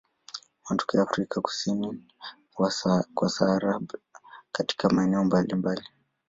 Wanatokea Afrika kusini kwa Sahara katika maeneo mbalimbali.